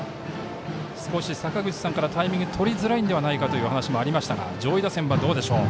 少し坂口さんから、タイミングとりづらいのではという話もありましたが上位打線はどうでしょう。